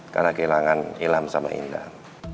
karena kehilangan ilham sama indah